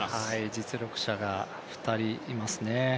実力者が２人いますね